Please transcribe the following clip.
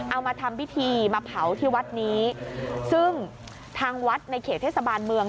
เอามาทำพิธีมาเผาที่วัดนี้ซึ่งทางวัดในเขตเทศบาลเมือง